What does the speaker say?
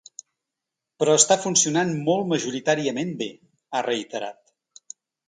“Però està funcionant molt majoritàriament bé”, ha reiterat.